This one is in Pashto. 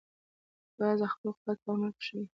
باز خپل قوت په عمل کې ښيي